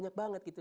banyak banget gitu